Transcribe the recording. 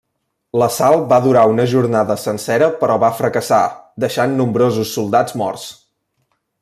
L'assalt va durar una jornada sencera però va fracassar, deixant nombrosos soldats morts.